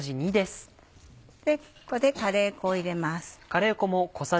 ここでカレー粉を入れます。